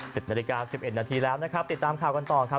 เสร็จนาฬิกา๑๑นาทีแล้วนะครับติดตามข่าวกันต่อครับ